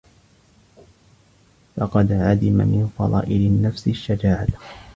فَقَدْ عَدِمَ مِنْ فَضَائِلِ النَّفْسِ الشَّجَاعَةَ